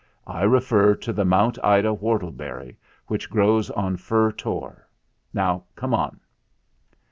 I refer to the Mount Ida whortleberry which grows on Fur Tor. Now come on."